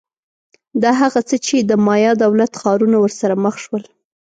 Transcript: دا هغه څه چې د مایا دولت ښارونه ورسره مخ شول